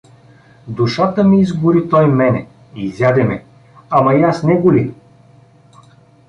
Душата ми изгори той мене… изяде ме… Ама и аз него ли?